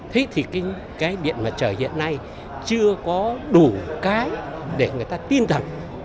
thế thì cái điện mặt trời hiện nay chưa có đủ cái để người ta tin rằng